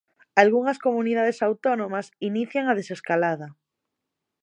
Algunhas comunidades autónomas inician a desescalada.